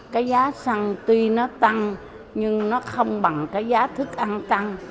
cái giá xăng tuy nó tăng nhưng nó không bằng cái giá thức ăn tăng